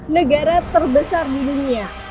negara terbesar di dunia